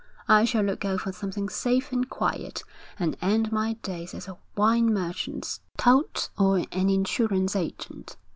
I shall look out for something safe and quiet, and end my days as a wine merchant's tout or an insurance agent.'